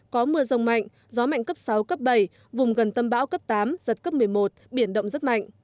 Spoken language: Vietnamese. có mưa rông mạnh gió mạnh cấp sáu cấp bảy vùng gần tâm bão cấp tám giật cấp một mươi một biển động rất mạnh